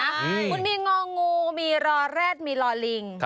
มันมีงองูมีล่อแรดมีล่อลิง